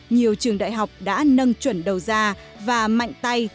nhiều trường đại học đã nâng chuẩn đầu ra và mạnh tay